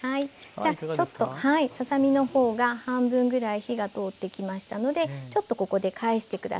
じゃあちょっとささ身のほうが半分ぐらい火が通ってきましたのでちょっとここで返して下さい。